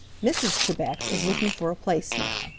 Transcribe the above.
Mrs. Chebec is looking for a place now.